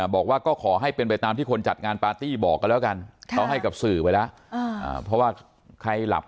บอกว่าก็ขอให้เป็นไปตามที่คนจัดงานปาร์ตี้บอกกันแล้วกันเขาให้กับสื่อไปแล้วเพราะว่าใครหลับ